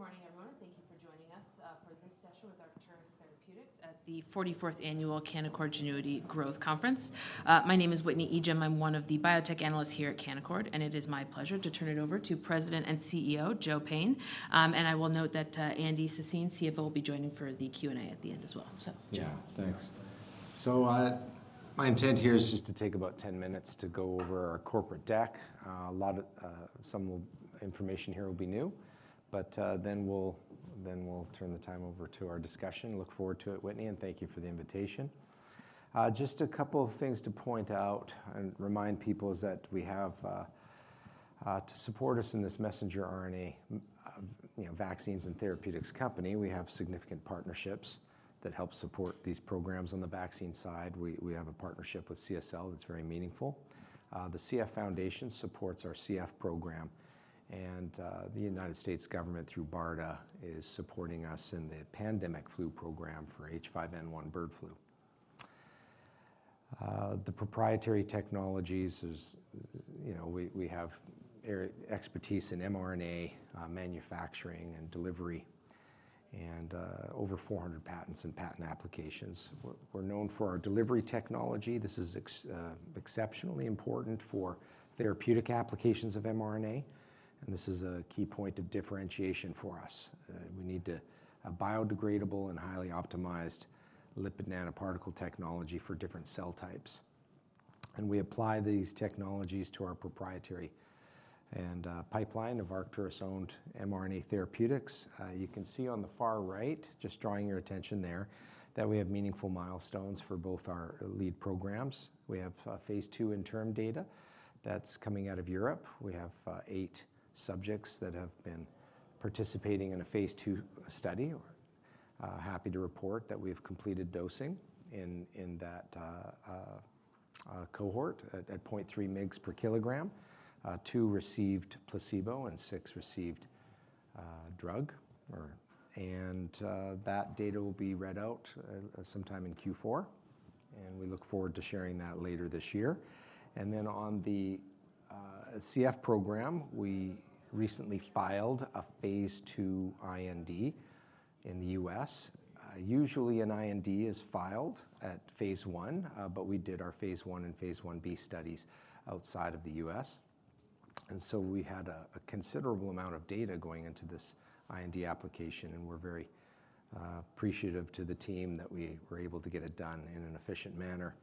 Good morning, everyone. Thank you for joining us for this session with Arcturus Therapeutics at the 44th Annual Canaccord Genuity Growth Conference. My name is Whitney Ijem. I'm one of the biotech analysts here at Canaccord, and it is my pleasure to turn it over to President and CEO, Joe Payne. And I will note that Andy Sassine, CFO, will be joining for the Q&A at the end as well. So, Joe. Yeah, thanks. So, my intent here is just to take about 10 minutes to go over our corporate deck. A lot of some information here will be new, but then we'll turn the time over to our discussion. I look forward to it, Whitney, and thank you for the invitation. Just a couple of things to point out and remind people is that we have to support us in this messenger RNA, you know, vaccines and therapeutics company, we have significant partnerships that help support these programs. On the vaccine side, we have a partnership with CSL that's very meaningful. The CF Foundation supports our CF program, and the United States government, through BARDA, is supporting us in the pandemic flu program for H5N1 bird flu. The proprietary technologies is, you know, we have expertise in mRNA manufacturing and delivery, and over 400 patents and patent applications. We're known for our delivery technology. This is exceptionally important for therapeutic applications of mRNA, and this is a key point of differentiation for us. We need a biodegradable and highly optimized lipid nanoparticle technology for different cell types. We apply these technologies to our proprietary and pipeline of Arcturus-owned mRNA therapeutics. You can see on the far right, just drawing your attention there, that we have meaningful milestones for both our lead programs. We have phase II interim data that's coming out of Europe. We have 8 subjects that have been participating in a phase II study. Happy to report that we have completed dosing in that cohort at 0.3 mg per kilogram. Two received placebo and six received drug or... And that data will be read out sometime in Q4, and we look forward to sharing that later this year. And then on the CF program, we recently filed a phase II IND in the U.S. Usually an IND is filed at phase I, but we did our phase I and phase I-B studies outside of the U.S. And so we had a considerable amount of data going into this IND application, and we're very appreciative to the team that we were able to get it done in an efficient manner.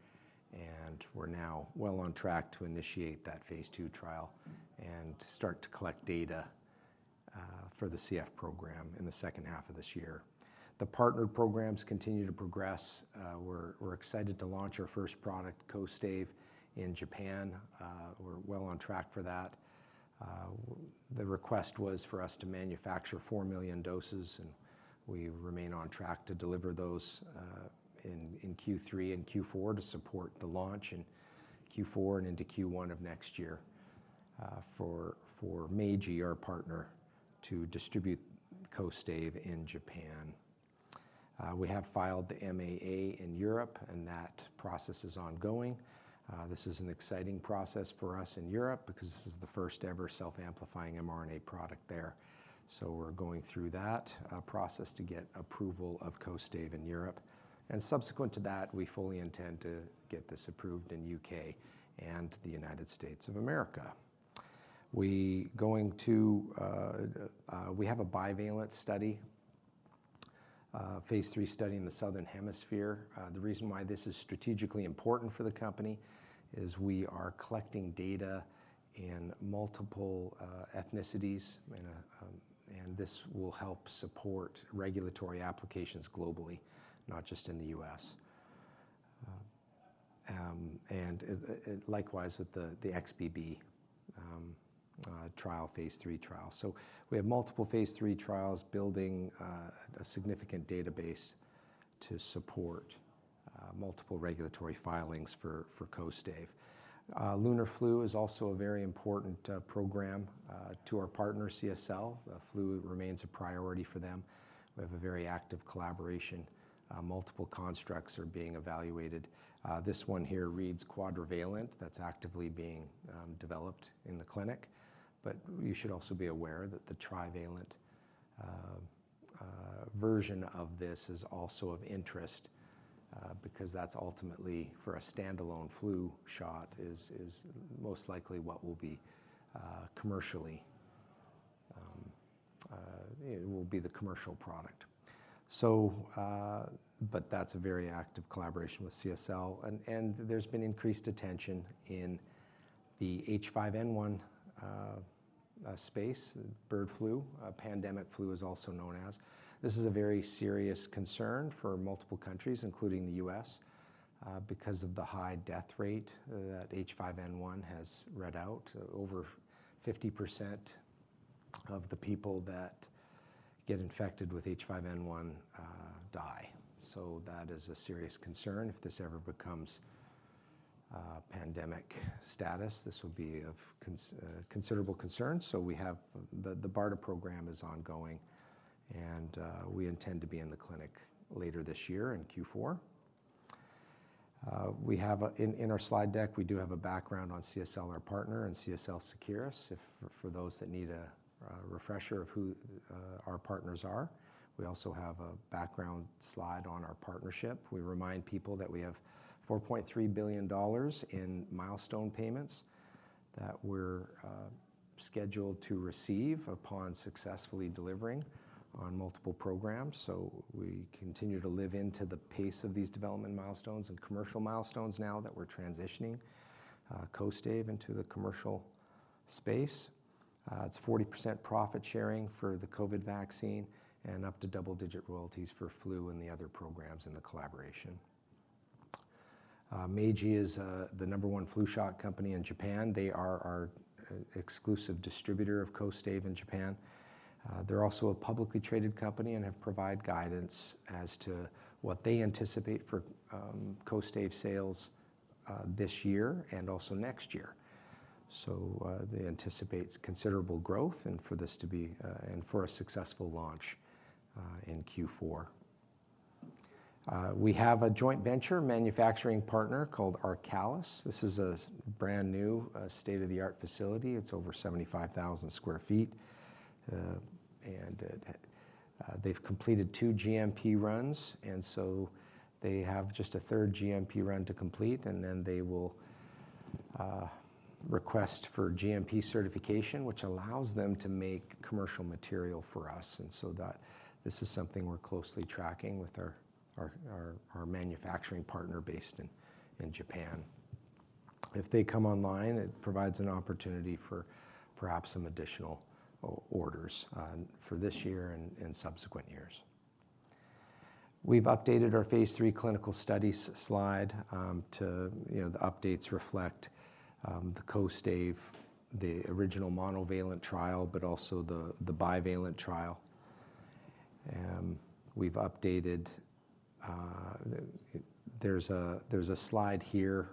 We're now well on track to initiate that phase II trial and start to collect data for the CF program in the second half of this year. The partnered programs continue to progress. We're excited to launch our first product, KOSTAIVE, in Japan. We're well on track for that. The request was for us to manufacture 4 million doses, and we remain on track to deliver those in Q3 and Q4 to support the launch in Q4 and into Q1 of next year for Meiji, our partner, to distribute KOSTAIVE in Japan. We have filed the MAA in Europe, and that process is ongoing. This is an exciting process for us in Europe because this is the first-ever self-amplifying mRNA product there. We're going through that process to get approval of KOSTAIVE in Europe. Subsequent to that, we fully intend to get this approved in U.K. and the United States of America. We going to, we have a bivalent study, phase III study in the Southern Hemisphere. The reason why this is strategically important for the company is we are collecting data in multiple, ethnicities, and this will help support regulatory applications globally, not just in the U.S. Likewise, with the, the XBB, trial, phase III trial. So we have multiple phase III trials building, a significant database to support, multiple regulatory filings for, for KOSTAIVE. LUNAR-FLU is also a very important, program, to our partner, CSL. Flu remains a priority for them. We have a very active collaboration. Multiple constructs are being evaluated. This one here reads quadrivalent. That's actively being developed in the clinic, but you should also be aware that the trivalent version of this is also of interest because that's ultimately for a standalone flu shot, is most likely what will be commercially. It will be the commercial product. So, but that's a very active collaboration with CSL, and there's been increased attention in the H5N1 space, bird flu, pandemic flu is also known as. This is a very serious concern for multiple countries, including the U.S., because of the high death rate that H5N1 has read out. Over 50% of the people that get infected with H5N1 die. So that is a serious concern. If this ever becomes pandemic status, this would be of considerable concern. So we have... The BARDA program is ongoing, and we intend to be in the clinic later this year in Q4. We have, in our slide deck, we do have a background on CSL, our partner, and CSL Seqirus, if for those that need a refresher of who our partners are. We also have a background slide on our partnership. We remind people that we have $4.3 billion in milestone payments that we're scheduled to receive upon successfully delivering on multiple programs. So we continue to live into the pace of these development milestones and commercial milestones now that we're transitioning KOSTAIVE into the commercial space. It's 40% profit sharing for the COVID vaccine and up to double-digit royalties for flu and the other programs in the collaboration. Meiji is the number one flu shot company in Japan. They are our exclusive distributor of KOSTAIVE in Japan. They're also a publicly traded company and have provided guidance as to what they anticipate for KOSTAIVE sales this year and also next year. So, they anticipate considerable growth, and for this to be a successful launch in Q4. We have a joint venture manufacturing partner called ARCALIS. This is a brand-new state-of-the-art facility. It's over 75,000 sq ft, and they've completed 2 GMP runs, and so they have just a third GMP run to complete, and then they will request GMP certification, which allows them to make commercial material for us, and so this is something we're closely tracking with our manufacturing partner based in Japan. If they come online, it provides an opportunity for perhaps some additional orders for this year and subsequent years. We've updated our phase III clinical studies slide to. You know, the updates reflect the KOSTAIVE, the original monovalent trial, but also the bivalent trial. We've updated the-- there's a slide here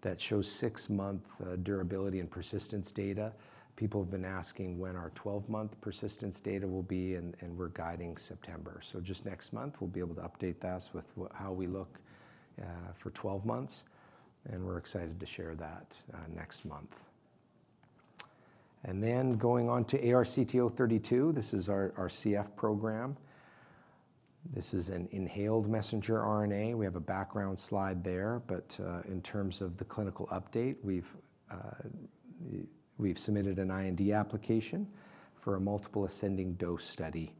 that shows six-month durability and persistence data. People have been asking when our twelve-month persistence data will be, and we're guiding September. So just next month, we'll be able to update this with how we look for twelve months, and we're excited to share that next month. And then going on to ARCT-032, this is our CF program. This is an inhaled messenger RNA. We have a background slide there, but in terms of the clinical update, we've we've submitted an IND application for a multiple ascending dose study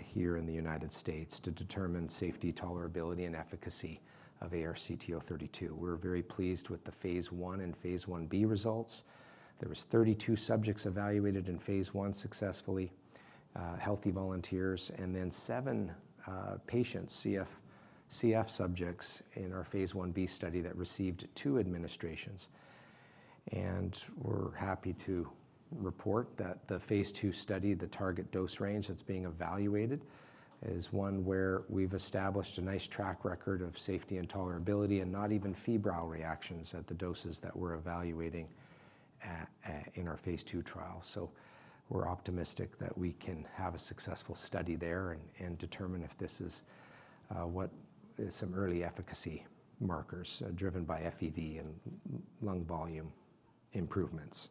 here in the United States to determine safety, tolerability, and efficacy of ARCT-032. We're very pleased with the phase I and phase I-B results. There was 32 subjects evaluated in phase I successfully, healthy volunteers, and then 7 patients, CF, CF subjects in our phase I-B study that received 2 administrations. And we're happy to report that the phase II study, the target dose range that's being evaluated, is one where we've established a nice track record of safety and tolerability, and not even febrile reactions at the doses that we're evaluating in our phase II trial. So we're optimistic that we can have a successful study there and determine if this is what are some early efficacy markers driven by FEV and lung volume improvements.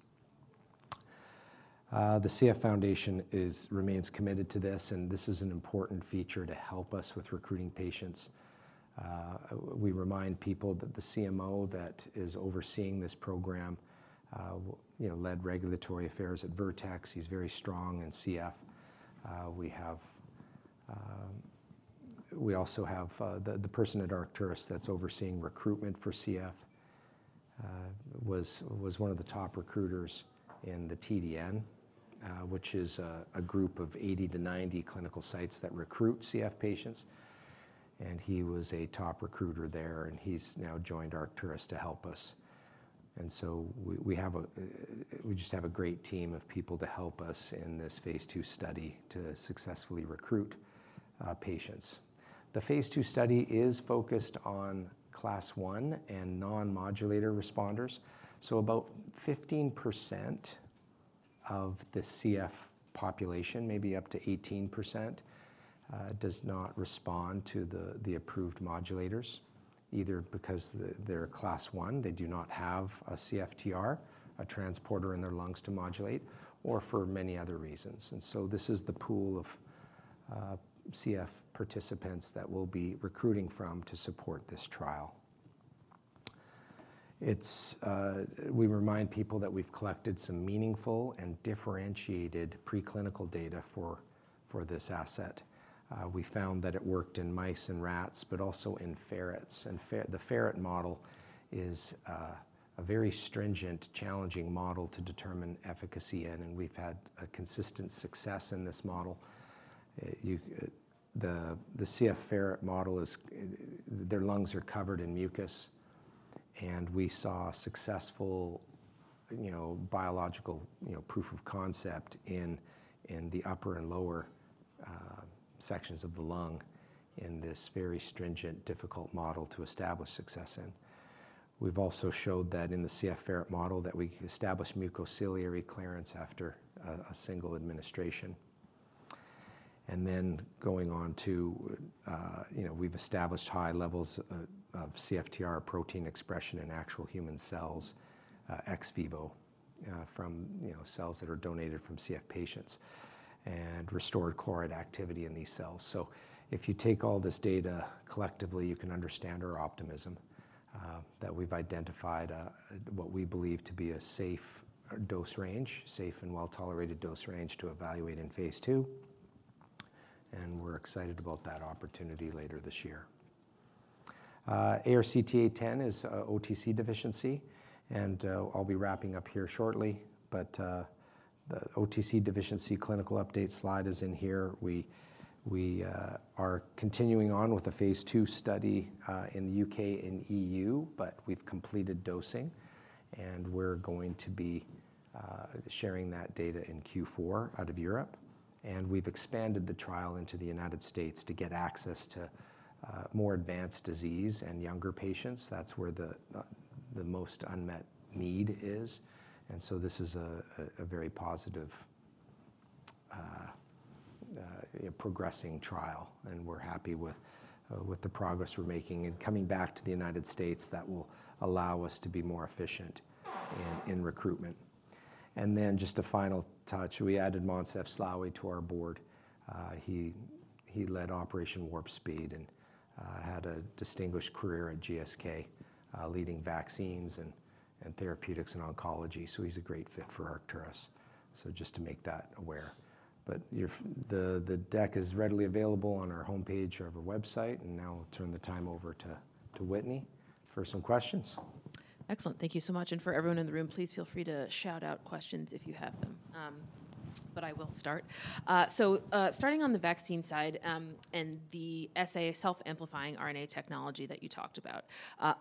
The CF Foundation remains committed to this, and this is an important feature to help us with recruiting patients. We remind people that the CMO that is overseeing this program who you know led Regulatory Affairs at Vertex. He's very strong in CF. We also have the person at Arcturus that's overseeing recruitment for CF who was one of the top recruiters in the TDN, which is a group of 80-90 clinical sites that recruit CF patients, and he was a top recruiter there, and he's now joined Arcturus to help us. And so we have a great team of people to help us in this phase II study to successfully recruit patients. The phase II study is focused on Class I and non-modulator responders. So about 15% of the CF population, maybe up to 18%, does not respond to the approved modulators, either because they're Class I, they do not have a CFTR, a transporter in their lungs to modulate, or for many other reasons. And so this is the pool of CF participants that we'll be recruiting from to support this trial. It's... We remind people that we've collected some meaningful and differentiated preclinical data for this asset. We found that it worked in mice and rats, but also in ferrets. The ferret model is a very stringent, challenging model to determine efficacy in, and we've had consistent success in this model. The CF ferret model is, their lungs are covered in mucus, and we saw successful, you know, biological, you know, proof of concept in the upper and lower sections of the lung in this very stringent, difficult model to establish success in. We've also showed that in the CF ferret model, that we can establish mucociliary clearance after a single administration. Going on to, you know, we've established high levels of CFTR protein expression in actual human cells, ex vivo, from, you know, cells that are donated from CF patients and restored chloride activity in these cells. So if you take all this data collectively, you can understand our optimism that we've identified what we believe to be a safe dose range, safe and well-tolerated dose range to evaluate in phase II, and we're excited about that opportunity later this year. ARCT-810 is OTC Deficiency, and I'll be wrapping up here shortly, but the OTC Deficiency clinical update slide is in here. We are continuing on with the phase II study in the UK and EU, but we've completed dosing, and we're going to be sharing that data in Q4 out of Europe. We've expanded the trial into the United States to get access to more advanced disease and younger patients. That's where the most unmet need is. This is a very positive progressing trial, and we're happy with the progress we're making. Coming back to the United States, that will allow us to be more efficient in recruitment. Then just a final touch, we added Moncef Slaoui to our board. He led Operation Warp Speed and had a distinguished career at GSK, leading vaccines and therapeutics and oncology, so he's a great fit for Arcturus. Just to make that aware, but the deck is readily available on our homepage of our website, and now I'll turn the time over to Whitney for some questions. Excellent. Thank you so much, and for everyone in the room, please feel free to shout out questions if you have them, but I will start. Starting on the vaccine side, and the self-amplifying RNA technology that you talked about,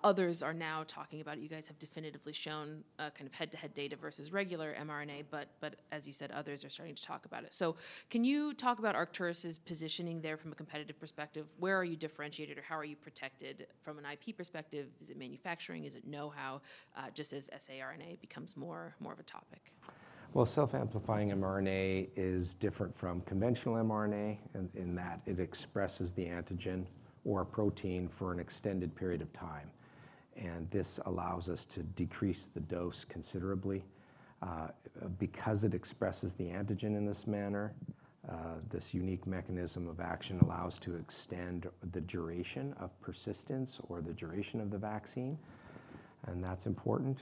others are now talking about it. You guys have definitively shown, kind of head-to-head data versus regular mRNA, but, as you said, others are starting to talk about it. Can you talk about Arcturus's positioning there from a competitive perspective? Where are you differentiated, or how are you protected from an IP perspective? Is it manufacturing? Is it know-how? Just as saRNA becomes more of a topic. Well, self-amplifying mRNA is different from conventional mRNA in that it expresses the antigen or a protein for an extended period of time, and this allows us to decrease the dose considerably. Because it expresses the antigen in this manner, this unique mechanism of action allows to extend the duration of persistence or the duration of the vaccine, and that's important.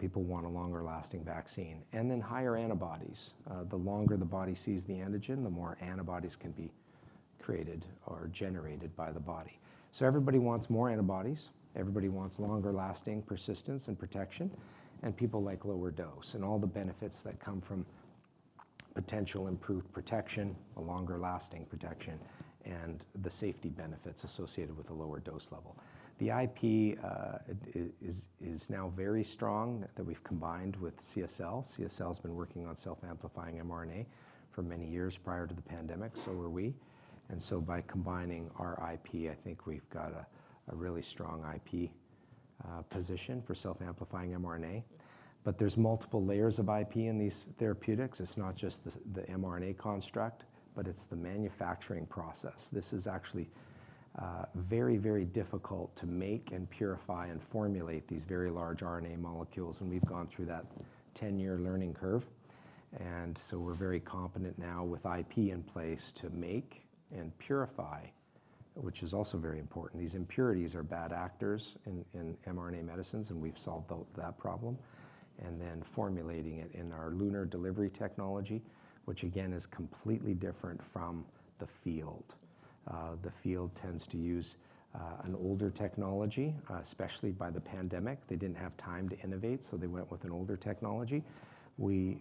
People want a longer lasting vaccine. And then higher antibodies. The longer the body sees the antigen, the more antibodies can be created or generated by the body. So everybody wants more antibodies, everybody wants longer lasting persistence and protection, and people like lower dose and all the benefits that come from potential improved protection, a longer lasting protection, and the safety benefits associated with a lower dose level. The IP is now very strong that we've combined with CSL. CSL has been working on self-amplifying mRNA for many years prior to the pandemic, so were we. And so by combining our IP, I think we've got a really strong IP position for self-amplifying mRNA. But there's multiple layers of IP in these therapeutics. It's not just the mRNA construct, but it's the manufacturing process. This is actually very, very difficult to make and purify and formulate these very large RNA molecules, and we've gone through that 10-year learning curve. And so we're very competent now with IP in place to make and purify, which is also very important. These impurities are bad actors in mRNA medicines, and we've solved that problem. And then formulating it in our LUNAR delivery technology, which again, is completely different from the field. The field tends to use an older technology, especially by the pandemic. They didn't have time to innovate, so they went with an older technology. We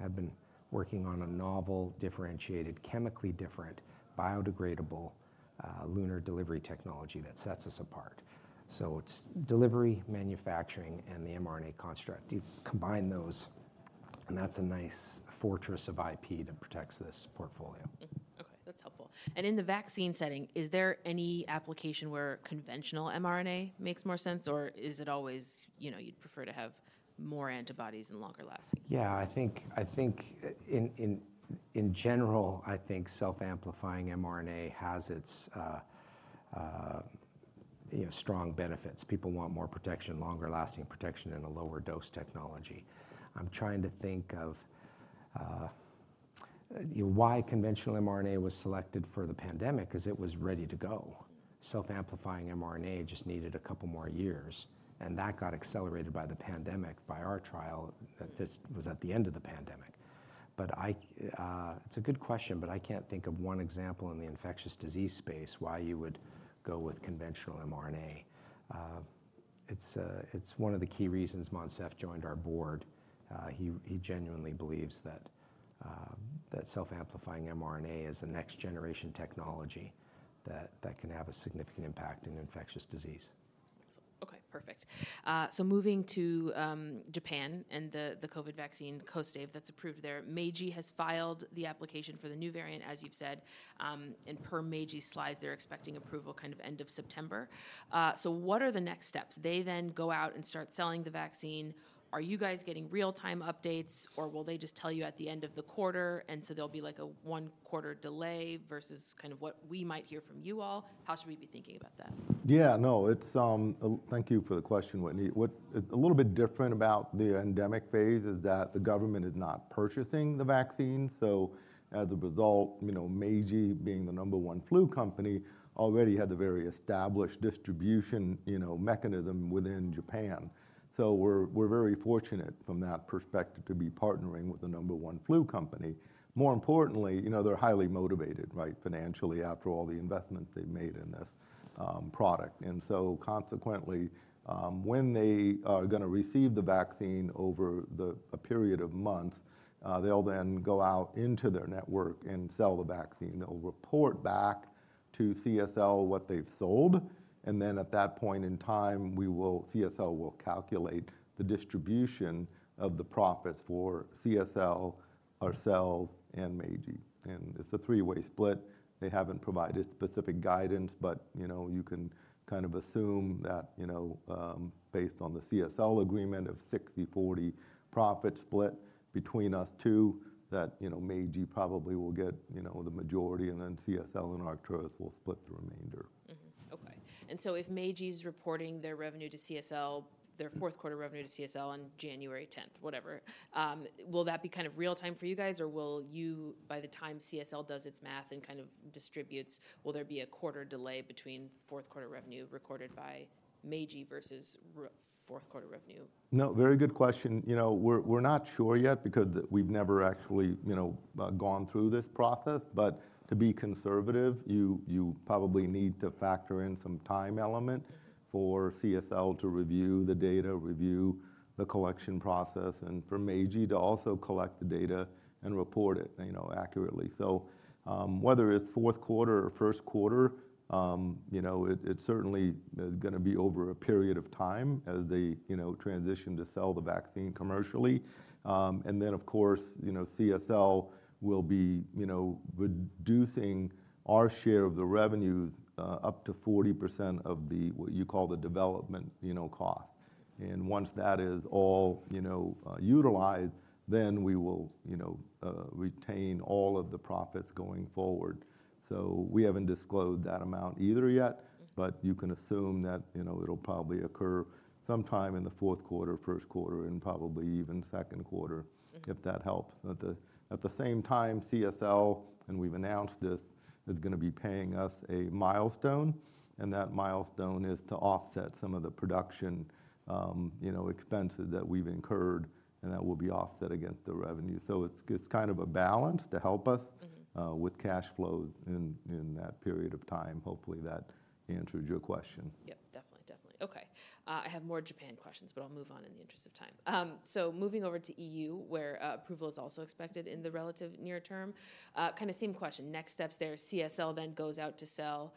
have been working on a novel, differentiated, chemically different, biodegradable, LUNAR delivery technology that sets us apart. So it's delivery, manufacturing, and the mRNA construct. You combine those, and that's a nice fortress of IP that protects this portfolio. Mm. Okay, that's helpful. And in the vaccine setting, is there any application where conventional mRNA makes more sense, or is it always, you know, you'd prefer to have more antibodies and longer lasting? Yeah, I think in general, I think self-amplifying mRNA has its, you know, strong benefits. People want more protection, longer lasting protection, and a lower dose technology. I'm trying to think of, you know, why conventional mRNA was selected for the pandemic, 'cause it was ready to go. Self-amplifying mRNA just needed a couple more years, and that got accelerated by the pandemic, by our trial, this was at the end of the pandemic. But it's a good question, but I can't think of one example in the infectious disease space, why you would go with conventional mRNA. It's one of the key reasons Moncef joined our board. He genuinely believes that self-amplifying mRNA is a next-generation technology that can have a significant impact in infectious disease.... Perfect. So moving to Japan and the COVID vaccine, KOSTAIVE, that's approved there. Meiji has filed the application for the new variant, as you've said. And per Meiji's slides, they're expecting approval kind of end of September. So what are the next steps? They then go out and start selling the vaccine. Are you guys getting real time updates, or will they just tell you at the end of the quarter, and so there'll be, like, a one-quarter delay versus kind of what we might hear from you all? How should we be thinking about that? Yeah, no, it's, thank you for the question, Whitney. What is a little bit different about the endemic phase is that the government is not purchasing the vaccine. So as a result, you know, Meiji, being the number one flu company, already had the very established distribution, you know, mechanism within Japan. So we're very fortunate from that perspective to be partnering with the number one flu company. More importantly, you know, they're highly motivated, right, financially, after all the investment they've made in this product. And so consequently, when they are gonna receive the vaccine over a period of months, they'll then go out into their network and sell the vaccine. They'll report back to CSL what they've sold, and then at that point in time, we will, CSL will calculate the distribution of the profits for CSL, ourselves, and Meiji, and it's a three-way split. They haven't provided specific guidance, but, you know, you can kind of assume that, you know, based on the CSL agreement of 60/40 profit split between us two, that, you know, Meiji probably will get, you know, the majority, and then CSL and Arcturus will split the remainder. Mm-hmm. Okay. And so if Meiji's reporting their revenue to CSL, their fourth quarter revenue to CSL on January tenth, whatever, will that be kind of real time for you guys, or will you, by the time CSL does its math and kind of distributes, will there be a quarter delay between fourth quarter revenue recorded by Meiji versus fourth quarter revenue? No, very good question. You know, we're not sure yet because we've never actually, you know, gone through this process. But to be conservative, you probably need to factor in some time element for CSL to review the data, review the collection process, and for Meiji to also collect the data and report it, you know, accurately. So, whether it's fourth quarter or first quarter, you know, it certainly is gonna be over a period of time as they, you know, transition to sell the vaccine commercially. And then, of course, you know, CSL will be, you know, reducing our share of the revenues, up to 40% of the, what you call the development, you know, cost. And once that is all, you know, utilized, then we will, you know, retain all of the profits going forward. We haven't disclosed that amount either yet- Mm-hmm. you can assume that, you know, it'll probably occur sometime in the fourth quarter, first quarter, and probably even second quarter. Mm-hmm. -if that helps. At the same time, CSL, and we've announced this, is gonna be paying us a milestone, and that milestone is to offset some of the production, you know, expenses that we've incurred, and that will be offset against the revenue. So it's kind of a balance to help us- Mm-hmm... with cash flow in, in that period of time. Hopefully, that answered your question. Yep, definitely. Definitely. Okay. I have more Japan questions, but I'll move on in the interest of time. So moving over to EU, where approval is also expected in the relative near term, kinda same question, next steps there. CSL then goes out to sell...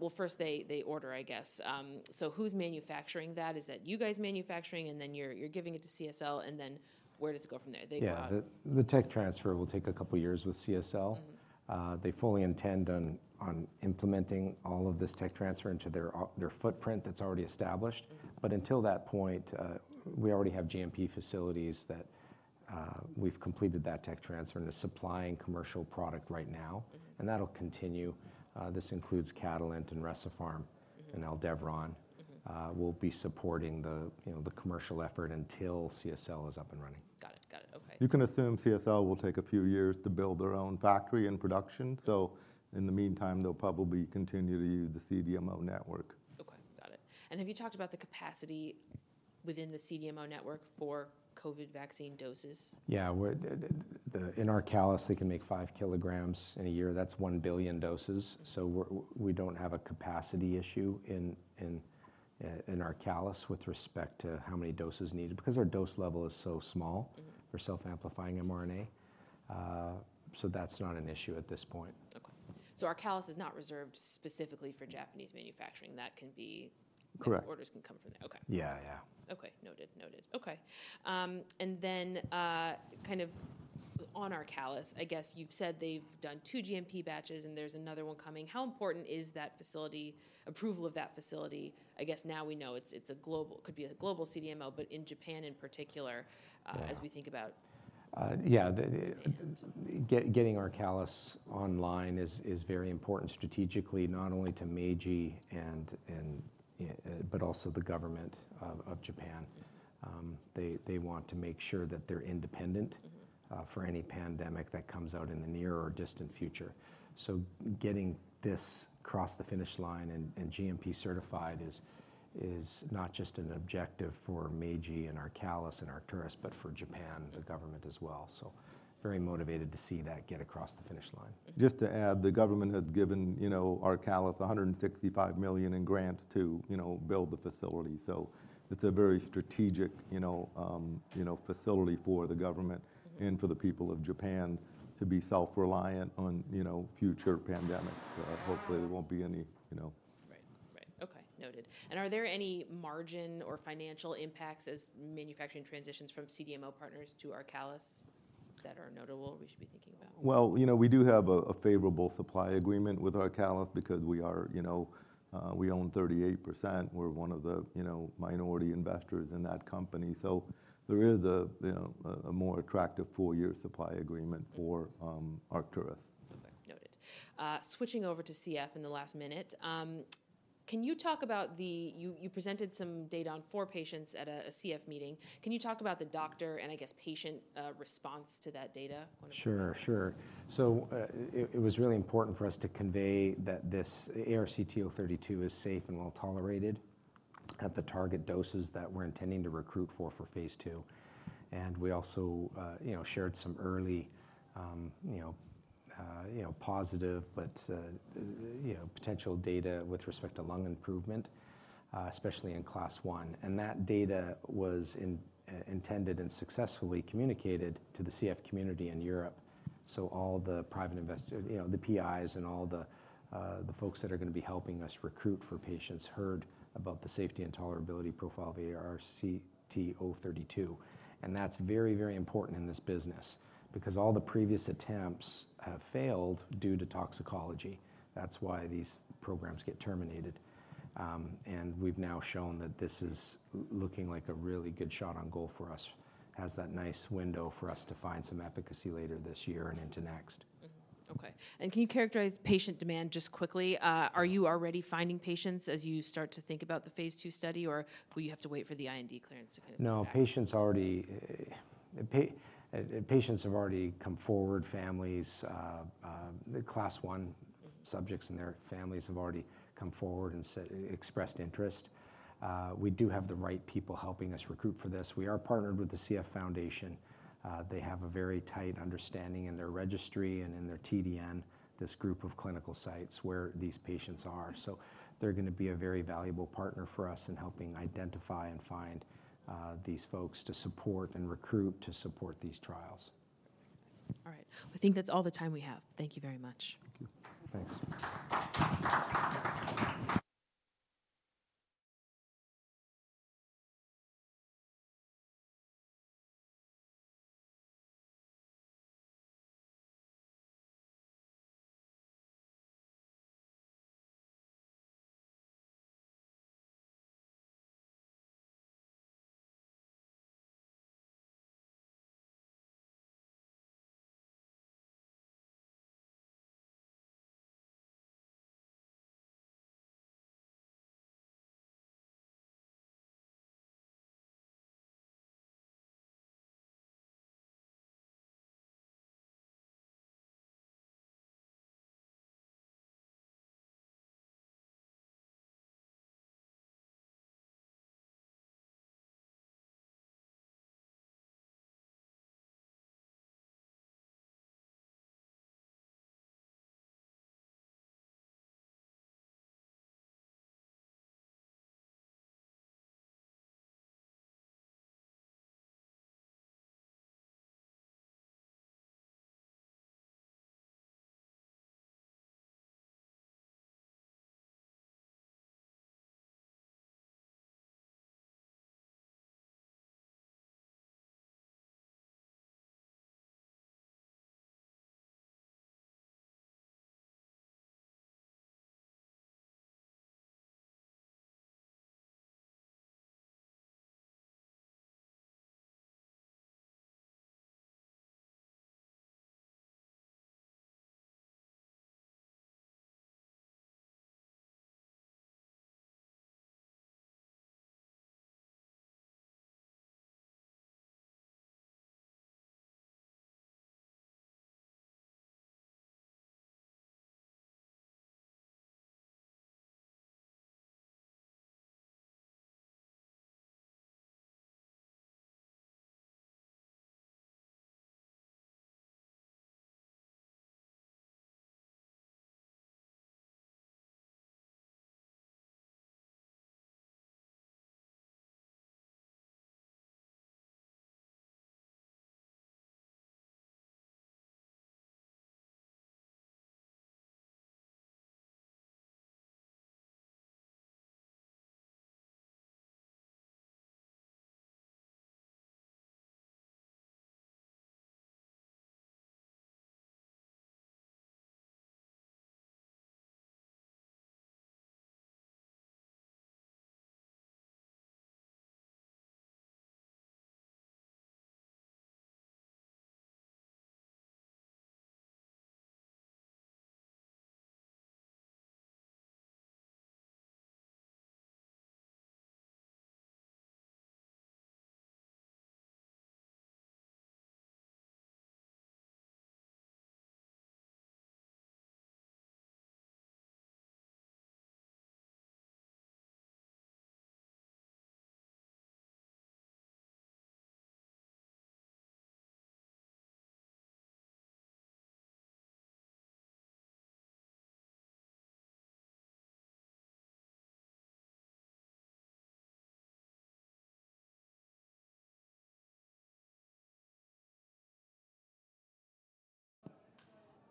Well, first they, they order, I guess. So who's manufacturing that? Is that you guys manufacturing, and then you're, you're giving it to CSL, and then where does it go from there? They go out- Yeah. The tech transfer will take a couple of years with CSL. Mm-hmm. They fully intend on implementing all of this tech transfer into their footprint that's already established. Mm-hmm. But until that point, we already have GMP facilities that, we've completed that tech transfer and are supplying commercial product right now. Mm-hmm. That'll continue. This includes Catalent and Recipharm- Mm-hmm... and Aldevron. Mm-hmm. We'll be supporting the, you know, the commercial effort until CSL is up and running. Got it. Got it. Okay. You can assume CSL will take a few years to build their own factory and production, so in the meantime, they'll probably continue to use the CDMO network. Okay, got it. Have you talked about the capacity within the CDMO network for COVID vaccine doses? Yeah, well, in ARCALIS, they can make 5 kilograms in a year. That's 1 billion doses. So we're, we don't have a capacity issue in, in, in ARCALIS with respect to how many doses needed because our dose level is so small- Mm-hmm... for self-amplifying mRNA. So that's not an issue at this point. Okay. So ARCALIS is not reserved specifically for Japanese manufacturing. That can be- Correct. Orders can come from there. Okay. Yeah, yeah. Okay. Noted. Noted. Okay, and then, kind of on ARCALIS, I guess you've said they've done two GMP batches, and there's another one coming. How important is that facility, approval of that facility? I guess now we know it's, it's a global, could be a global CDMO, but in Japan in particular. Yeah... as we think about- Yeah, the Japan... getting ARCALIS online is very important strategically, not only to Meiji, but also the government of Japan. They want to make sure that they're independent- Mm-hmm... for any pandemic that comes out in the near or distant future. So getting this across the finish line and GMP certified is not just an objective for Meiji, and ARCALIS, and Arcturus, but for Japan, the government as well. So very motivated to see that get across the finish line. Mm-hmm. Just to add, the government has given, you know, ARCALIS 165 million in grants to, you know, build the facility, so. It's a very strategic, you know, facility for the government- Mm-hmm. And for the people of Japan to be self-reliant on, you know, future pandemics. Hopefully there won't be any, you know. Right. Right. Okay, noted. And are there any margin or financial impacts as manufacturing transitions from CDMO partners to ARCALIS that are notable, we should be thinking about? Well, you know, we do have a favorable supply agreement with ARCALIS because we are, you know, we own 38%. We're one of the, you know, minority investors in that company. So there is a, you know, a more attractive four-year supply agreement for Arcturus. Okay. Noted. Switching over to CF in the last minute. Can you talk about the... You presented some data on four patients at a CF meeting. Can you talk about the doctor and I guess, patient, response to that data, whatever? Sure, sure. So, it was really important for us to convey that this ARCT-032 is safe and well-tolerated at the target doses that we're intending to recruit for, for phase II. And we also, you know, shared some early, you know, positive, but, you know, potential data with respect to lung improvement, especially in Class I. And that data was intended and successfully communicated to the CF community in Europe. So all the principal investigator, you know, the PIs and all the, the folks that are gonna be helping us recruit for patients, heard about the safety and tolerability profile of the ARCT-032. And that's very, very important in this business because all the previous attempts have failed due to toxicology. That's why these programs get terminated. We've now shown that this is looking like a really good shot on goal for us, has that nice window for us to find some efficacy later this year and into next. Mm-hmm. Okay, and can you characterize patient demand just quickly? Are you already finding patients as you start to think about the phase II study, or will you have to wait for the IND clearance to get it? No, patients already, patients have already come forward. Families, the Class I subjects and their families have already come forward and expressed interest. We do have the right people helping us recruit for this. We are partnered with the CF Foundation. They have a very tight understanding in their registry and in their TDN, this group of clinical sites where these patients are. So they're gonna be a very valuable partner for us in helping identify and find these folks to support and recruit, to support these trials. All right. I think that's all the time we have. Thank you very much. Thank you. Thanks. ...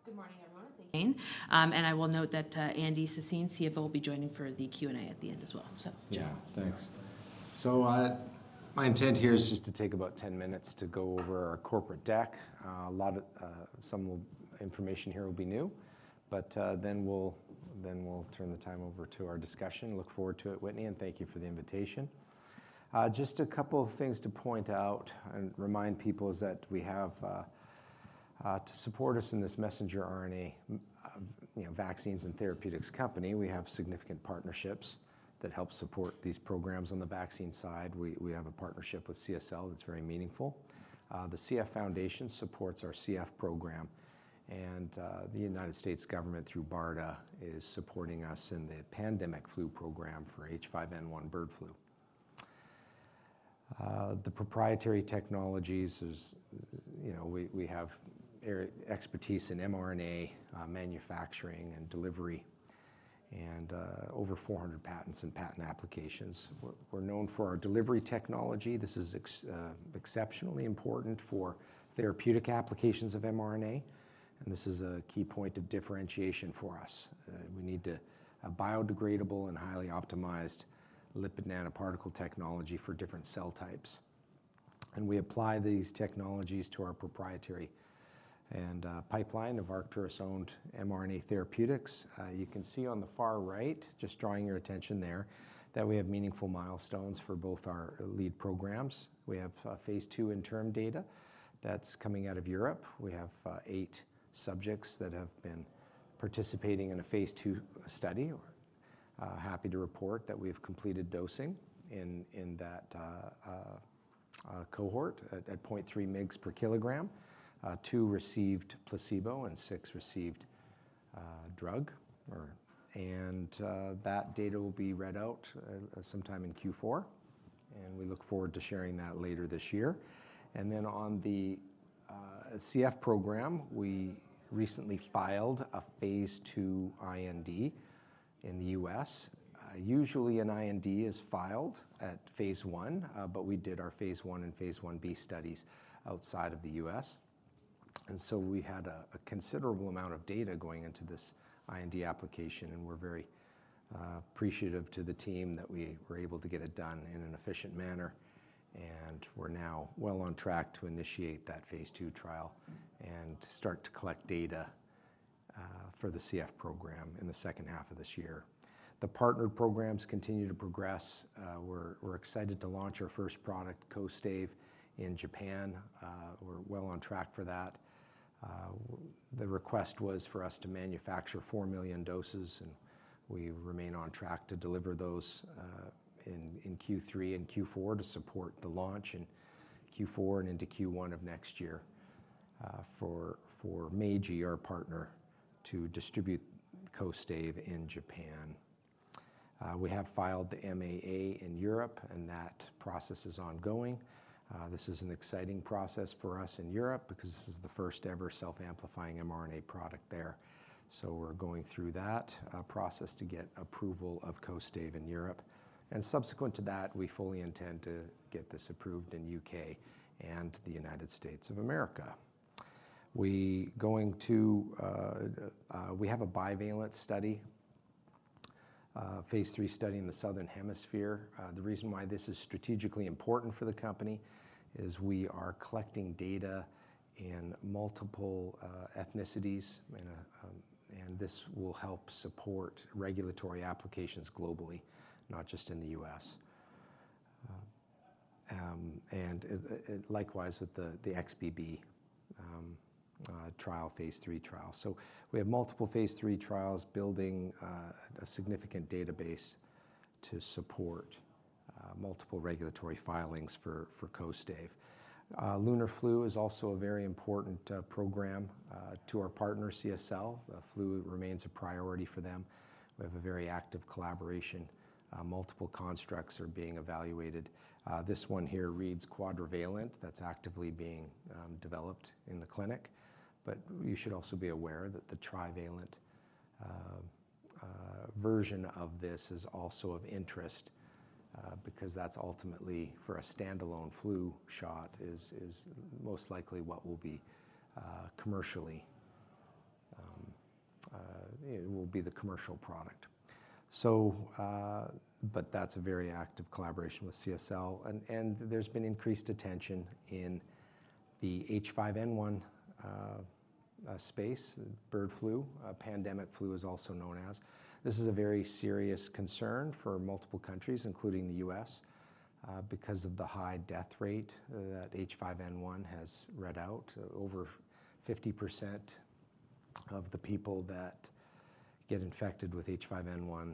Good morning, everyone. Thank you. I will note that, Andy Sassine, CFO, will be joining for the Q&A at the end as well, so. Yeah, thanks. So, my intent here is just to take about 10 minutes to go over our corporate deck. A lot of some information here will be new, but then we'll turn the time over to our discussion. Look forward to it, Whitney, and thank you for the invitation. Just a couple of things to point out and remind people is that we have to support us in this messenger RNA, you know, vaccines and therapeutics company, we have significant partnerships that help support these programs. On the vaccine side, we have a partnership with CSL that's very meaningful. The CF Foundation supports our CF program, and the United States government, through BARDA, is supporting us in the pandemic flu program for H5N1 bird flu. The proprietary technologies is, you know, we have expertise in mRNA manufacturing and delivery, and over 400 patents and patent applications. We're known for our delivery technology. This is exceptionally important for therapeutic applications of mRNA, and this is a key point of differentiation for us. We need a biodegradable and highly optimized lipid nanoparticle technology for different cell types. And we apply these technologies to our proprietary and pipeline of Arcturus-owned mRNA therapeutics. You can see on the far right, just drawing your attention there, that we have meaningful milestones for both our lead programs. We have phase II interim data that's coming out of Europe. We have eight subjects that have been participating in a phase II study. Happy to report that we've completed dosing in that cohort at 0.3 mg per kilogram. 2 received placebo and 6 received drug. And that data will be read out sometime in Q4, and we look forward to sharing that later this year. And then on the CF program, we recently filed a phase II IND in the U.S. Usually an IND is filed at phase I, but we did our phase I and phase I-B studies outside of the U.S. And so we had a considerable amount of data going into this IND application, and we're very appreciative to the team that we were able to get it done in an efficient manner. We're now well on track to initiate that phase II trial and start to collect data for the CF program in the second half of this year. The partnered programs continue to progress. We're excited to launch our first product, KOSTAIVE, in Japan. We're well on track for that. The request was for us to manufacture 4 million doses, and we remain on track to deliver those in Q3 and Q4 to support the launch in Q4 and into Q1 of next year for Meiji, our partner, to distribute KOSTAIVE in Japan. We have filed the MAA in Europe, and that process is ongoing. This is an exciting process for us in Europe because this is the first-ever self-amplifying mRNA product there. So we're going through that process to get approval of KOSTAIVE in Europe. Subsequent to that, we fully intend to get this approved in the U.K. and the United States of America. We going to, we have a bivalent study, phase III study in the Southern Hemisphere. The reason why this is strategically important for the company is we are collecting data in multiple ethnicities, and this will help support regulatory applications globally, not just in the U.S. And, likewise, with the, the XBB, trial, phase III trial. So we have multiple phase III trials building, a significant database to support, multiple regulatory filings for, for KOSTAIVE. LUNAR-FLU is also a very important, program, to our partner, CSL. Flu remains a priority for them. We have a very active collaboration. Multiple constructs are being evaluated. This one here reads quadrivalent. That's actively being developed in the clinic, but you should also be aware that the trivalent version of this is also of interest because that's ultimately for a standalone flu shot is most likely what will be commercially. It will be the commercial product. So but that's a very active collaboration with CSL. And there's been increased attention in the H5N1 space, bird flu, pandemic flu is also known as. This is a very serious concern for multiple countries, including the U.S., because of the high death rate that H5N1 has read out. Over 50% of the people that get infected with H5N1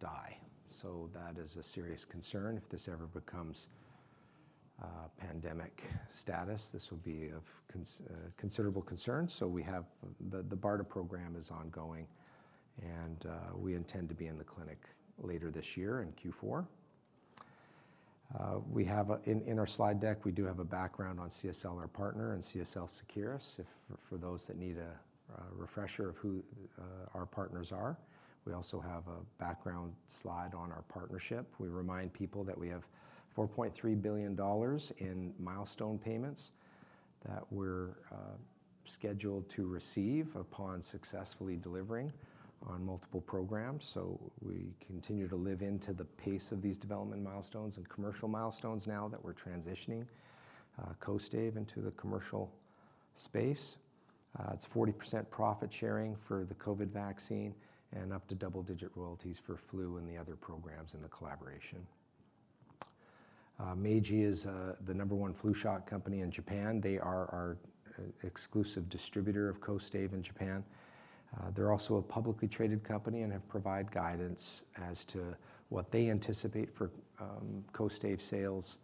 die. So that is a serious concern. If this ever becomes pandemic status, this will be of considerable concern. So we have the BARDA program is ongoing, and we intend to be in the clinic later this year in Q4. We have, in our slide deck, a background on CSL, our partner, and CSL Seqirus, if for those that need a refresher of who our partners are. We also have a background slide on our partnership. We remind people that we have $4.3 billion in milestone payments that we're scheduled to receive upon successfully delivering on multiple programs. So we continue to live into the pace of these development milestones and commercial milestones now that we're transitioning KOSTAIVE into the commercial space. It's 40% profit sharing for the COVID vaccine and up to double-digit royalties for flu and the other programs in the collaboration. Meiji is the number one flu shot company in Japan. They are our exclusive distributor of KOSTAIVE in Japan. They're also a publicly traded company and have provide guidance as to what they anticipate for KOSTAIVE sales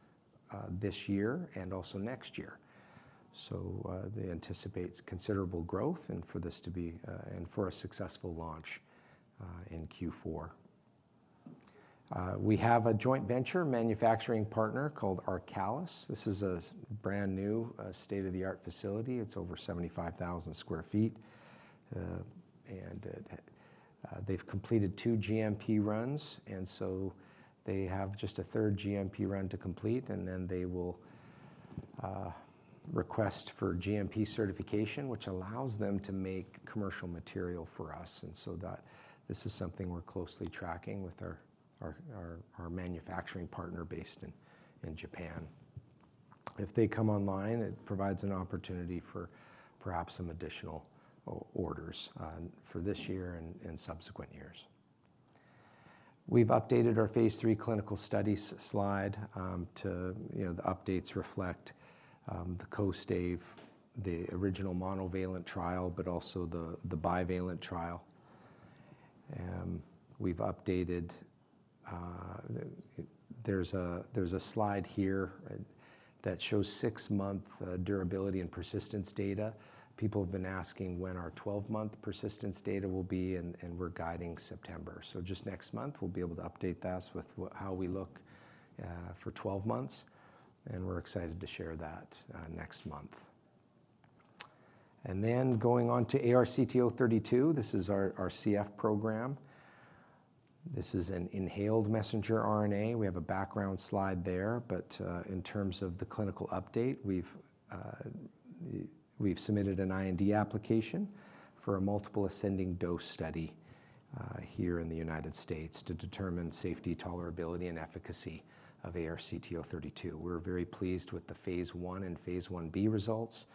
this year and also next year. So, they anticipate considerable growth and for this to be and for a successful launch in Q4. We have a joint venture manufacturing partner called ARCALIS. This is a brand-new state-of-the-art facility. It's over 75,000 sq ft, and they've completed two GMP runs, and so they have just a third GMP run to complete, and then they will request for GMP certification, which allows them to make commercial material for us, and so this is something we're closely tracking with our manufacturing partner based in Japan. If they come online, it provides an opportunity for perhaps some additional orders for this year and subsequent years. We've updated our phase III clinical studies slide. You know, the updates reflect the KOSTAIVE, the original monovalent trial, but also the bivalent trial. We've updated the. There's a slide here that shows 6-month durability and persistence data. People have been asking when our 12-month persistence data will be, and we're guiding September. So just next month, we'll be able to update this with how we look for 12 months, and we're excited to share that next month. And then going on to ARCT-032, this is our CF program. This is an inhaled messenger RNA. We have a background slide there, but in terms of the clinical update, we've submitted an IND application for a multiple ascending dose study here in the United States to determine safety, tolerability, and efficacy of ARCT-032. We're very pleased with the phase I and phase I-B results.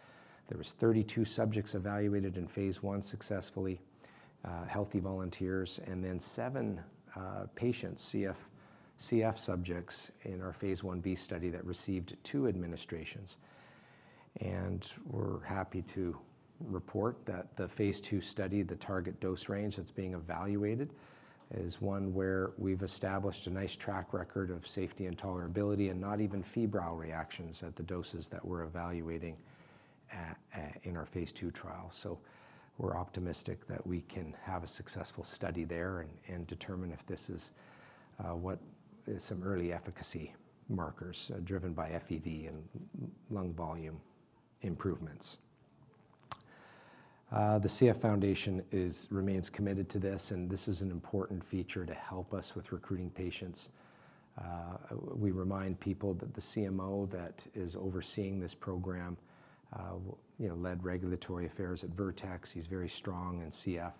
There was 32 subjects evaluated in phase I successfully, healthy volunteers, and then seven patients, CF subjects in our phase I-B study that received two administrations. We're happy to report that the phase II study, the target dose range that's being evaluated, is one where we've established a nice track record of safety and tolerability, and not even febrile reactions at the doses that we're evaluating in our phase II trial. So we're optimistic that we can have a successful study there and determine if this is what is some early efficacy markers driven by FEV and lung volume improvements. The CF Foundation remains committed to this, and this is an important feature to help us with recruiting patients. We remind people that the CMO that is overseeing this program you know led regulatory affairs at Vertex. He's very strong in CF.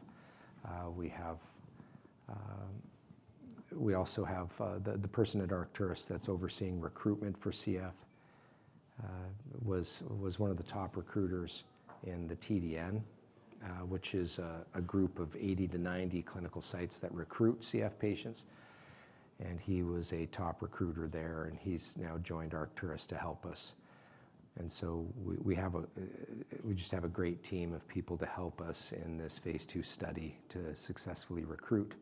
We also have the person at Arcturus that's overseeing recruitment for CF was one of the top recruiters in the TDN which is a group of 80-90 clinical sites that recruit CF patients, and he was a top recruiter there, and he's now joined Arcturus to help us. And so we have a great team of people to help us in this Phase II study to successfully recruit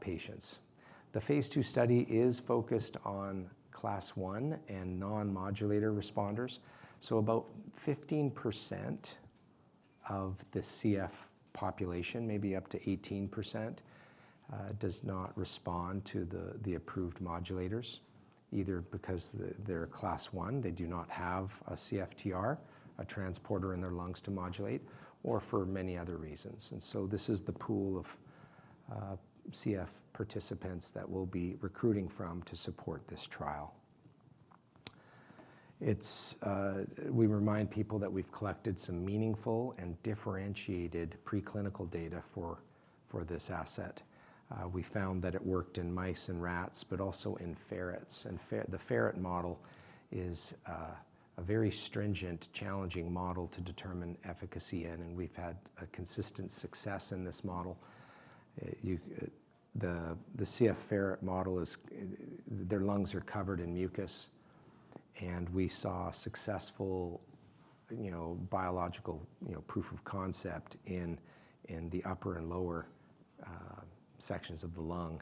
patients. The Phase II study is focused on Class I and non-modulator responders. So about 15% of the CF population, maybe up to 18%, does not respond to the approved modulators, either because they're a Class I, they do not have a CFTR, a transporter in their lungs to modulate, or for many other reasons. And so this is the pool of CF participants that we'll be recruiting from to support this trial. We remind people that we've collected some meaningful and differentiated preclinical data for this asset. We found that it worked in mice and rats, but also in ferrets. The ferret model is a very stringent, challenging model to determine efficacy in, and we've had consistent success in this model. The CF ferret model is their lungs are covered in mucus, and we saw successful, you know, biological, you know, proof of concept in the upper and lower sections of the lung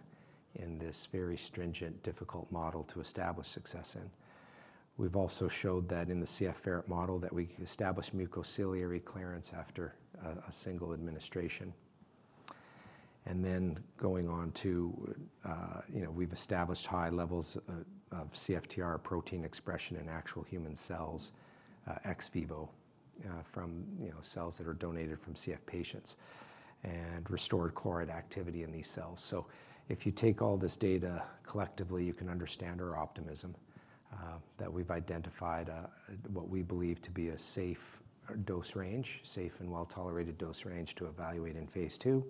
in this very stringent, difficult model to establish success in. We've also showed that in the CF ferret model that we can establish mucociliary clearance after a single administration. Then going on to, you know, we've established high levels of CFTR protein expression in actual human cells ex vivo from cells that are donated from CF patients, and restored chloride activity in these cells. So if you take all this data collectively, you can understand our optimism that we've identified what we believe to be a safe dose range, safe and well-tolerated dose range to evaluate in phase II,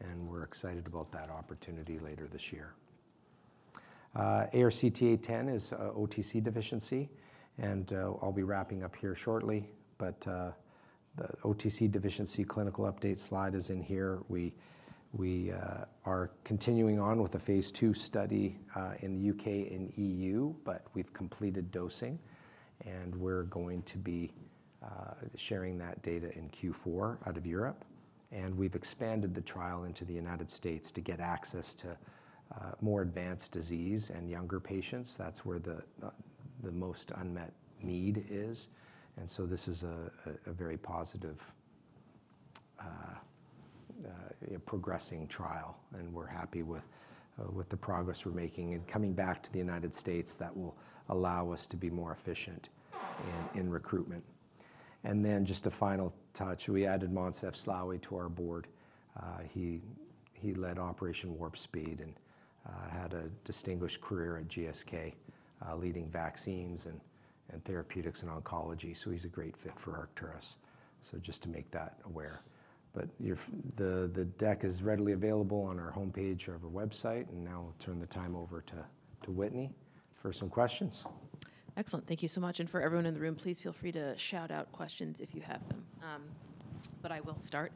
and we're excited about that opportunity later this year. ARCT-810 is OTC deficiency, and I'll be wrapping up here shortly, but the OTC deficiency clinical update slide is in here. We are continuing on with the phase II study in the UK and EU, but we've completed dosing, and we're going to be sharing that data in Q4 out of Europe. We've expanded the trial into the United States to get access to more advanced disease and younger patients. That's where the most unmet need is, and so this is a very positive progressing trial, and we're happy with the progress we're making. And coming back to the United States, that will allow us to be more efficient in recruitment. And then just a final touch, we added Moncef Slaoui to our board. He led Operation Warp Speed and had a distinguished career at GSK, leading vaccines and therapeutics and oncology, so he's a great fit for Arcturus. So just to make that aware. But the deck is readily available on our homepage of our website, and now I'll turn the time over to Whitney for some questions. Excellent. Thank you so much, and for everyone in the room, please feel free to shout out questions if you have them. I will start.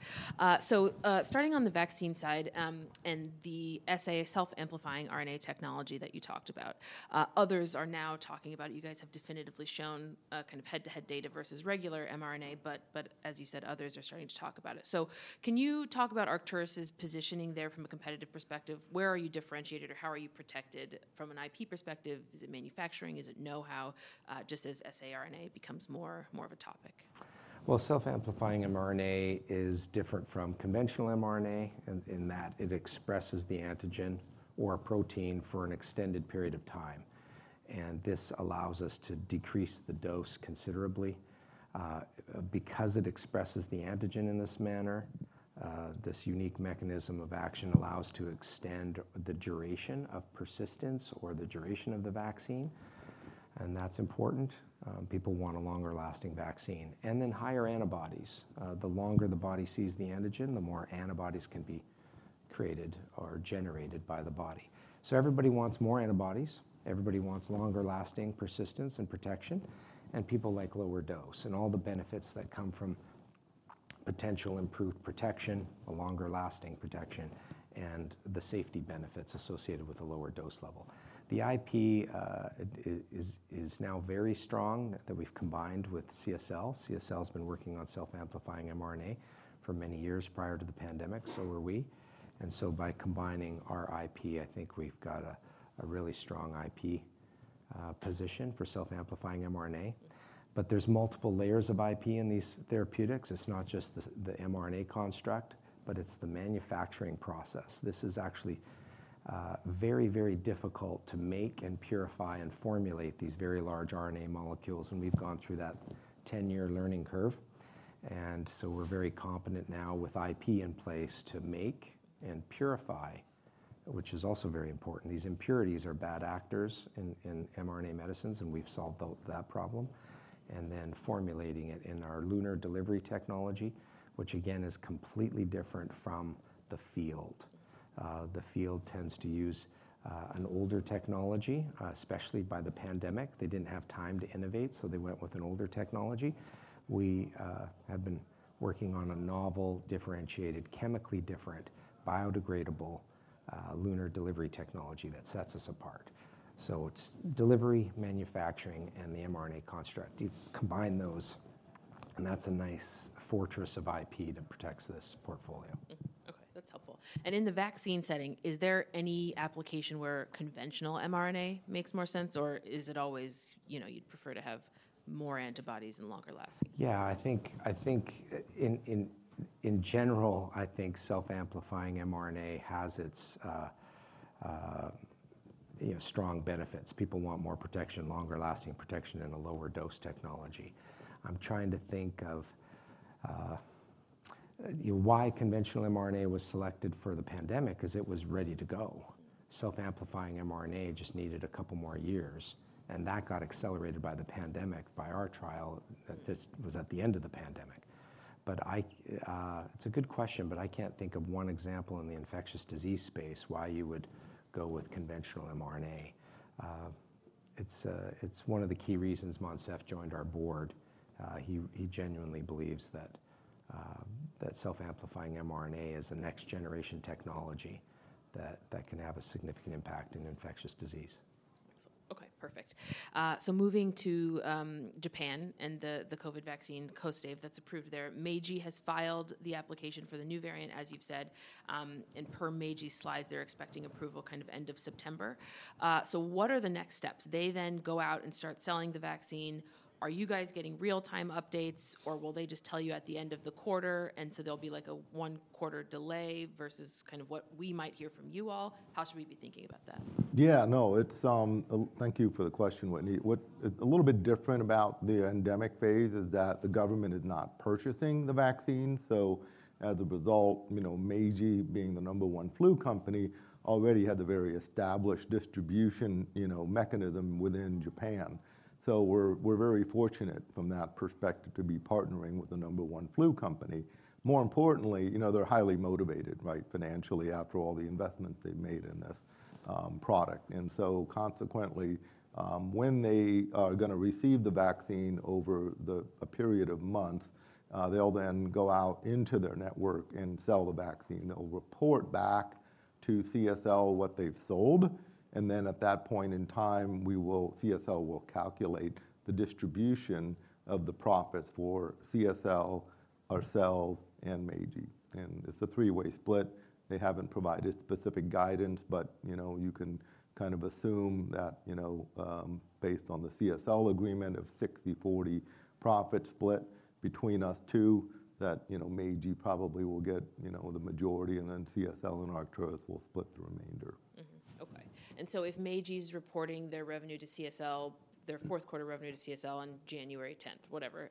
Starting on the vaccine side, and the SA, self-amplifying RNA technology that you talked about, others are now talking about it. You guys have definitively shown a kind of head-to-head data versus regular mRNA, but as you said, others are starting to talk about it. Can you talk about Arcturus' positioning there from a competitive perspective? Where are you differentiated, or how are you protected from an IP perspective? Is it manufacturing? Is it know-how? Just as saRNA becomes more of a topic. Well, self-amplifying mRNA is different from conventional mRNA in, in that it expresses the antigen or protein for an extended period of time, and this allows us to decrease the dose considerably. Because it expresses the antigen in this manner, this unique mechanism of action allows to extend the duration of persistence or the duration of the vaccine, and that's important. People want a longer lasting vaccine. And then higher antibodies. The longer the body sees the antigen, the more antibodies can be created or generated by the body. So everybody wants more antibodies, everybody wants longer lasting persistence and protection, and people like lower dose and all the benefits that come from potential improved protection, a longer lasting protection, and the safety benefits associated with a lower dose level. The IP, is, is now very strong that we've combined with CSL. CSL has been working on self-amplifying mRNA for many years prior to the pandemic, so were we. And so by combining our IP, I think we've got a really strong IP position for self-amplifying mRNA. But there's multiple layers of IP in these therapeutics. It's not just the mRNA construct, but it's the manufacturing process. This is actually very, very difficult to make and purify and formulate these very large RNA molecules, and we've gone through that 10-year learning curve. And so we're very competent now with IP in place to make and purify, which is also very important. These impurities are bad actors in mRNA medicines, and we've solved that problem, and then formulating it in our LUNAR delivery technology, which again, is completely different from the field. The field tends to use an older technology, especially by the pandemic. They didn't have time to innovate, so they went with an older technology. We have been working on a novel, differentiated, chemically different, biodegradable, LUNAR delivery technology that sets us apart. So it's delivery, manufacturing, and the mRNA construct. You combine those, and that's a nice fortress of IP that protects this portfolio. Mm. Okay, that's helpful. And in the vaccine setting, is there any application where conventional mRNA makes more sense, or is it always, you know, you'd prefer to have more antibodies and longer lasting? Yeah, I think in general, I think self-amplifying mRNA has its, you know, strong benefits. People want more protection, longer lasting protection, and a lower dose technology. I'm trying to think of, you know, why conventional mRNA was selected for the pandemic, because it was ready to go. Self-amplifying mRNA just needed a couple more years, and that got accelerated by the pandemic, by our trial, this was at the end of the pandemic. But I. It's a good question, but I can't think of one example in the infectious disease space, why you would go with conventional mRNA. It's one of the key reasons Moncef joined our board. He genuinely believes that self-amplifying mRNA is a next-generation technology that can have a significant impact in infectious disease. Excellent. Okay, perfect. So moving to Japan and the COVID vaccine, KOSTAIVE, that's approved there. Meiji has filed the application for the new variant, as you've said. And per Meiji's slide, they're expecting approval kind of end of September. So what are the next steps? They then go out and start selling the vaccine. Are you guys getting real-time updates, or will they just tell you at the end of the quarter, and so there'll be, like, a one-quarter delay, versus kind of what we might hear from you all? How should we be thinking about that? Yeah, no, it's... Thank you for the question, Whitney. What is a little bit different about the endemic phase is that the government is not purchasing the vaccine. So as a result, you know, Meiji, being the number one flu company, already had the very established distribution, you know, mechanism within Japan. So we're, we're very fortunate from that perspective to be partnering with the number one flu company. More importantly, you know, they're highly motivated, right, financially, after all the investment they've made in this product. And so consequently, when they are gonna receive the vaccine over the, a period of months, they'll then go out into their network and sell the vaccine. They'll report back to CSL what they've sold, and then at that point in time, CSL will calculate the distribution of the profits for CSL, ourselves, and Meiji, and it's a three-way split. They haven't provided specific guidance, but, you know, you can kind of assume that, you know, based on the CSL agreement of 60/40 profit split between us two, that, you know, Meiji probably will get, you know, the majority, and then CSL and Arcturus will split the remainder. Mm-hmm. Okay. And so if Meiji's reporting their revenue to CSL, their fourth quarter revenue to CSL on January tenth, whatever,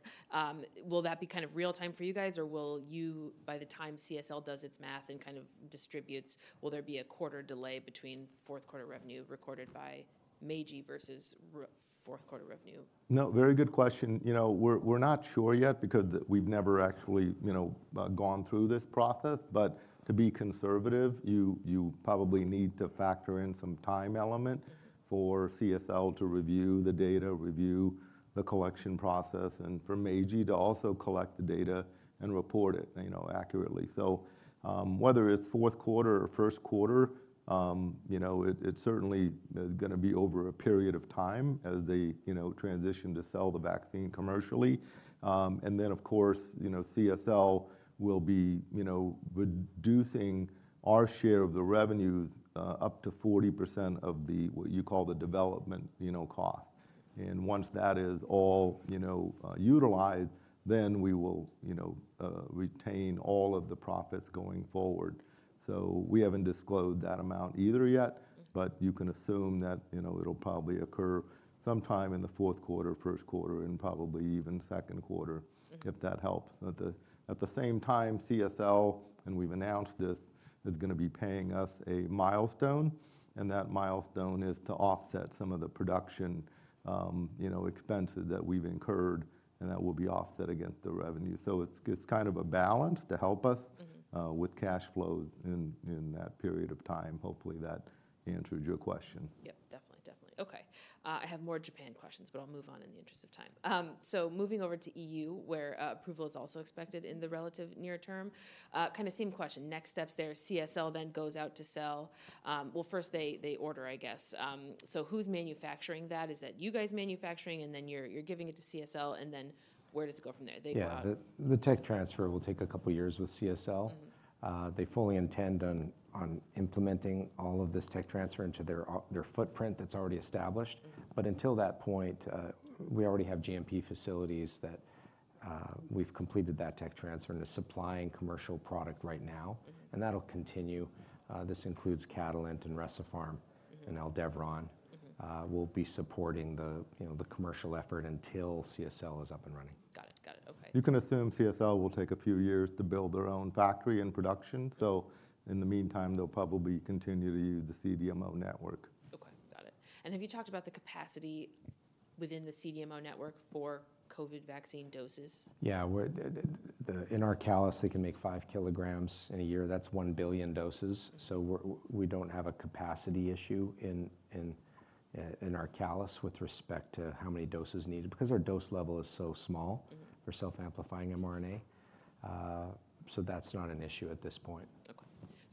will that be kind of real time for you guys, or will you, by the time CSL does its math and kind of distributes, will there be a quarter delay between fourth quarter revenue recorded by Meiji versus fourth quarter revenue? No, very good question. You know, we're not sure yet because we've never actually, you know, gone through this process. But to be conservative, you probably need to factor in some time element for CSL to review the data, review the collection process, and for Meiji to also collect the data and report it, you know, accurately. So, whether it's fourth quarter or first quarter, you know, it certainly is gonna be over a period of time as they, you know, transition to sell the vaccine commercially. And then, of course, you know, CSL will be, you know, reducing our share of the revenues up to 40% of the, what you call the development, you know, cost. And once that is all, you know, utilized, then we will, you know, retain all of the profits going forward. So we haven't disclosed that amount either, yet- Mm-hmm.... but you can assume that, you know, it'll probably occur sometime in the fourth quarter, first quarter, and probably even second quarter- Mm-hmm... if that helps. At the same time, CSL, and we've announced this, is gonna be paying us a milestone, and that milestone is to offset some of the production, you know, expenses that we've incurred, and that will be offset against the revenue. So it's kind of a balance to help us- Mm-hmm... with cash flow in that period of time. Hopefully, that answered your question. Yep, definitely. Definitely. Okay, I have more Japan questions, but I'll move on in the interest of time. So moving over to EU, where approval is also expected in the relative near term, kinda same question. Next steps there, CSL then goes out to sell... Well, first they, they order, I guess. So who's manufacturing that? Is that you guys manufacturing, and then you're, you're giving it to CSL, and then where does it go from there? They, Yeah. The tech transfer will take a couple of years with CSL. Mm-hmm. They fully intend on implementing all of this tech transfer into their footprint that's already established. Mm-hmm. But until that point, we already have GMP facilities that we've completed that tech transfer and are supplying commercial product right now. Mm-hmm. That'll continue. This includes Catalent and Recipharm- Mm-hmm... and Aldevron. Mm-hmm. We'll be supporting the, you know, the commercial effort until CSL is up and running. Got it, got it. Okay. You can assume CSL will take a few years to build their own factory and production. Mm-hmm. In the meantime, they'll probably continue to use the CDMO network. Okay, got it. Have you talked about the capacity within the CDMO network for COVID vaccine doses? Yeah, in ARCALIS, they can make 5 kilograms in a year. That's 1 billion doses, so we don't have a capacity issue in ARCALIS with respect to how many doses needed because our dose level is so small- Mm-hmm... for self-amplifying mRNA. So that's not an issue at this point. Okay.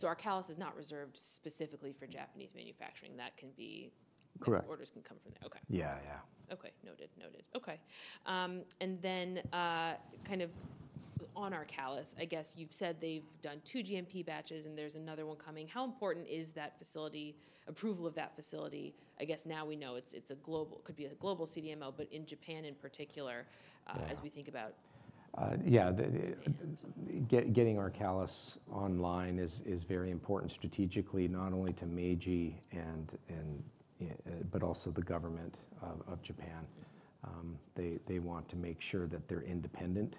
So ARCALIS is not reserved specifically for Japanese manufacturing. That can be- Correct. Orders can come from there. Okay. Yeah, yeah. Okay. Noted, noted. Okay, and then, kind of on ARCALIS, I guess you've said they've done two GMP batches, and there's another one coming. How important is that facility, approval of that facility? I guess now we know it's, it's a global, could be a global CDMO, but in Japan in particular- Yeah... as we think about- Yeah, the- Japan... getting ARCALIS online is very important strategically, not only to Meiji but also the government of Japan. They want to make sure that they're independent-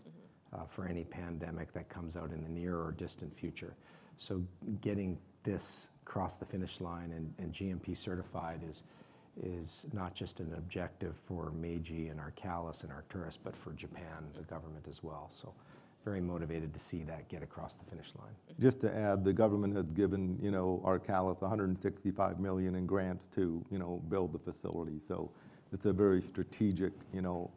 Mm-hmm... for any pandemic that comes out in the near or distant future. So getting this across the finish line and GMP certified is not just an objective for Meiji, and ARCALIS, and Arcturus, but for Japan, the government as well. So very motivated to see that across the finish line. Just to add, the government had given, you know, ARCALIS $165 million in grants to, you know, build the facility. So it's a very strategic, you know,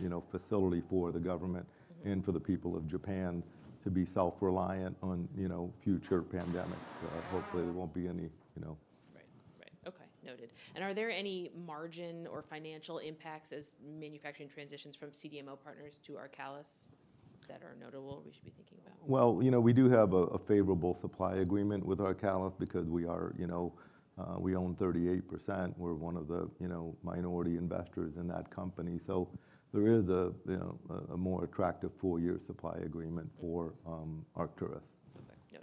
you know, facility for the government. Mm-hmm. and for the people of Japan to be self-reliant on, you know, future pandemics. Hopefully there won't be any, you know? Right. Right. Okay, noted. Are there any margin or financial impacts as manufacturing transitions from CDMO partners to ARCALIS that are notable, we should be thinking about? Well, you know, we do have a favorable supply agreement with ARCALIS because we are, you know, we own 38%. We're one of the, you know, minority investors in that company. So there is a, you know, a more attractive four-year supply agreement for Arcturus. Okay,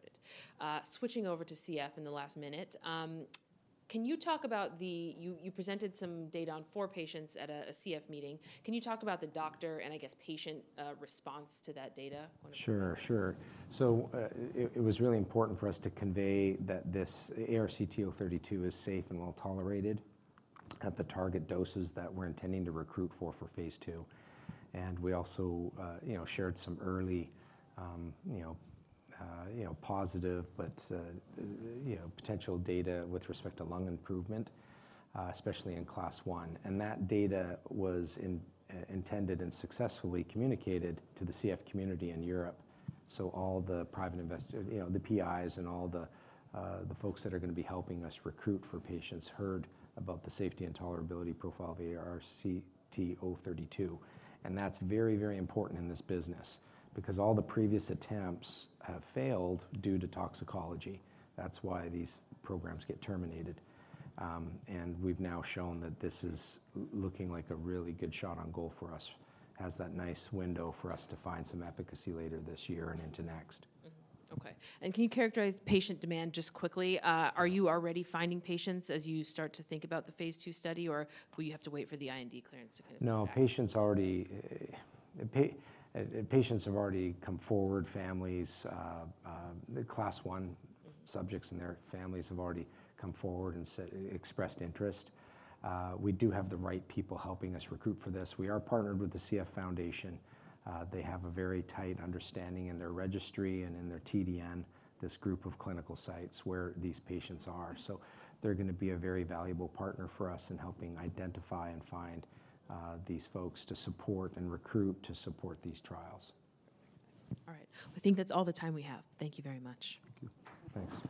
noted. Switching over to CF in the last minute. Can you talk about the data you presented on 4 patients at a CF meeting? Can you talk about the doctor and, I guess, patient response to that data when- Sure, sure. So, it was really important for us to convey that this ARCT-032 is safe and well-tolerated at the target doses that we're intending to recruit for phase II. And we also, you know, shared some early, you know, positive, but, you know, potential data with respect to lung improvement, especially in Class I, and that data was intended and successfully communicated to the CF community in Europe. So all the principal investigator, you know, the PIs and all the, the folks that are gonna be helping us recruit for patients heard about the safety and tolerability profile of the ARCT-032, and that's very, very important in this business because all the previous attempts have failed due to toxicology. That's why these programs get terminated. We've now shown that this is looking like a really good shot on goal for us. Has that nice window for us to find some efficacy later this year and into next. Mm-hmm. Okay, and can you characterize patient demand just quickly? Yeah. Are you already finding patients as you start to think about the phase II study, or will you have to wait for the IND clearance to kind of- No, patients have already come forward, families, the Class I subjects and their families have already come forward and said, expressed interest. We do have the right people helping us recruit for this. We are partnered with the CF Foundation. They have a very tight understanding in their registry and in their TDN, this group of clinical sites where these patients are. So they're gonna be a very valuable partner for us in helping identify and find, these folks to support and recruit to support these trials. Excellent. All right, I think that's all the time we have. Thank you very much. Thank you. Thanks.